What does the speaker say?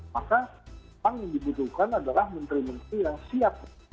maka memang yang dibutuhkan adalah menteri menteri yang siap